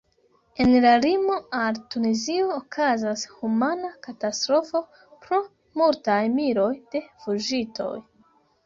En la limo al Tunizio okazas humana katastrofo pro multaj miloj de fuĝintoj.